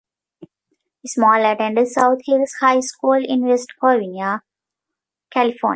Small attended South Hills High School in West Covina, California.